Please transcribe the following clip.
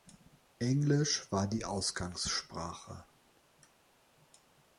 Englisch war die Ausgangssprache.